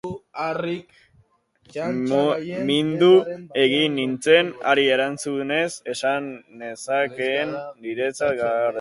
Mindu egin nintzen, hari erantzunez esan nezakeena niretzat gorderik.